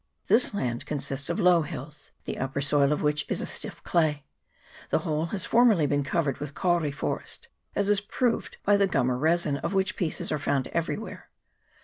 This land consists of low hills, the upper soil of which is a stiff clay ; the whole has formerly been covered with kauri forest, as is proved by the gum or resin, of which pieces are everywhere found.